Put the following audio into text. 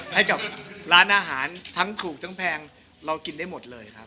ให้กับร้านอาหารทั้งถูกทั้งแพงเรากินได้หมดเลยครับ